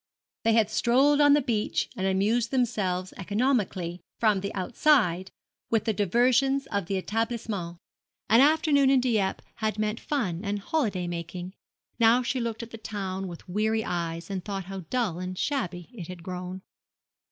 They had strolled on the beach and amused themselves economically, from the outside, with the diversions of the établissement. An afternoon in Dieppe had meant fun and holiday making. Now she looked at the town with weary eyes, and thought how dull and shabby it had grown.